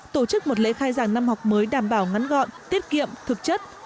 tổ chức một lễ khai giảng năm học mới đảm bảo ngắn gọn tiết kiệm thực chất